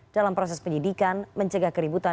dalam proses penyidikan mencegah keributan